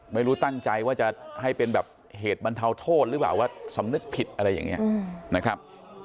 ไม่รู้ตั้งใจว่าจะให้เป็นแบบเหตุบรรเทาโทษหรือเปล่าว่าสำนึกผิดอะไรอย่างนี้นะครับ